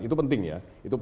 itu penting ya